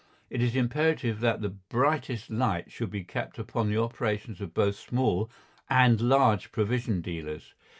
It is imperative that the brightest light should be kept upon the operations of both small and large provision dealers.